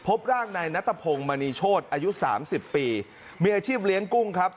พบร่างนายนัทพงศ์มณีโชธอายุสามสิบปีมีอาชีพเลี้ยงกุ้งครับ